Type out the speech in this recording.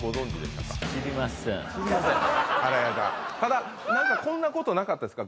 ただ何かこんなことなかったですか？